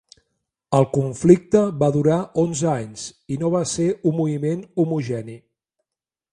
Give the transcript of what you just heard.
El conflicte va durar onze anys, i no va ser un moviment homogeni.